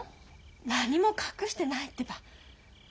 何も隠してないってば。